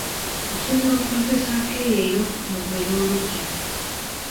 Osobola okwezesa akeeyeeyo mu kwera oluggya.